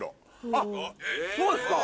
あっそうですか？